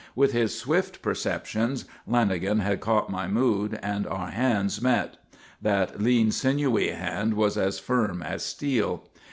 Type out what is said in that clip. With his swift perceptions, Lanagan had caught my mood and our hands met; that lean, sinewy hand was as firm as steel.